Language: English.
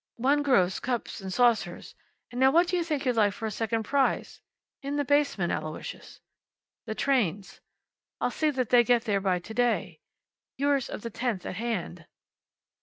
"One gross cups and saucers... and now what do you think you'd like for a second prize... in the basement, Aloysius... the trains... I'll see that they get there to day... yours of the tenth at hand..."